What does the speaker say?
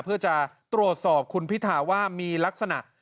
เพื่อจะตรวจสอบคุณพิธาว่ามีลักษณะ